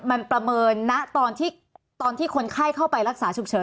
มันประเมินนะตอนที่คนไข้เข้าไปรักษาฉุกเฉิน